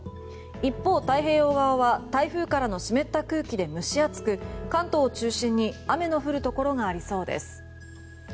一方、太平洋側は台風からの湿った空気で蒸し暑く関東を中心に雨が降るところがありそうです。